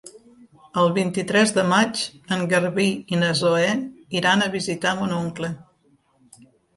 El vint-i-tres de maig en Garbí i na Zoè iran a visitar mon oncle.